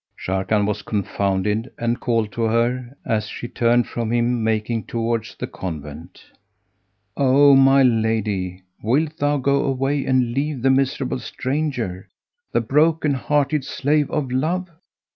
Sharrkan was confounded and called to her (as she turned from him making towards the convent), "O my lady, wilt thou go away and leave the miserable stranger, the broken hearted slave of love?"